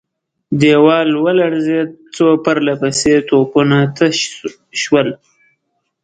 دېوال ولړزېد، څو پرله پسې توپونه تش شول.